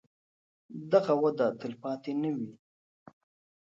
دغه وده تلپاتې نه وي.